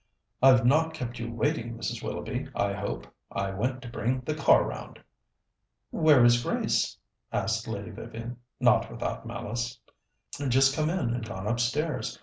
"I've not kept you waiting, Mrs. Willoughby, I hope? I went to bring the car round." "Where is Grace?" asked Lady Vivian, not without malice. "Just come in and gone upstairs.